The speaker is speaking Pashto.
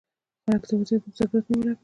څنګ ته یې ودرېدم سګرټ مې ولګاوه.